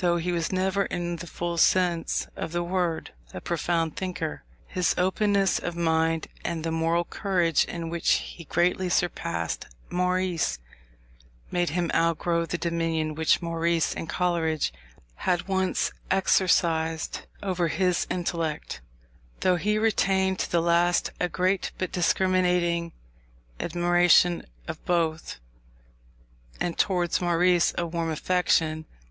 Though he was never, in the full sense of the word, a profound thinker, his openness of mind, and the moral courage in which he greatly surpassed Maurice, made him outgrow the dominion which Maurice and Coleridge had once exercised over his intellect; though he retained to the last a great but discriminating admiration of both, and towards Maurice a warm affection.